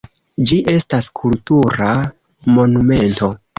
Ĝi estas kultura monumento.